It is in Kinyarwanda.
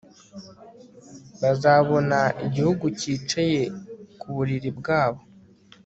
bazabona igihugu cyicaye ku buriri bwabo